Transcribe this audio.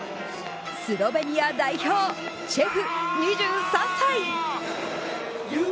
スロベニア代表、チェフ２３歳。